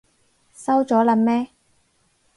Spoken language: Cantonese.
收咗喇咩？